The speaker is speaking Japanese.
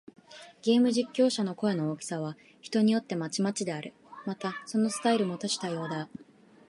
ゲーム実況者の声の大きさは、人によってまちまちである。また、そのスタイルも多種多様だ。